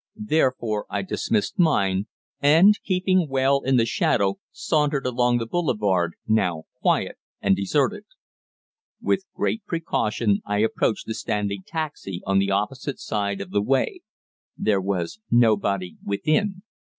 Therefore I dismissed mine, and, keeping well in the shadow, sauntered along the boulevard, now quiet and deserted. With great precaution I approached the standing taxi on the opposite side of the way. There was nobody within.